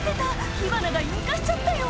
火花が引火しちゃったよ！